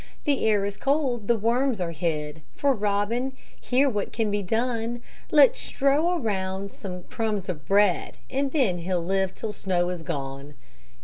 The air is cold, the worms are hid; For robin here what can be done? Let's strow around some crumbs of bread, And then he'll live till snow is gone.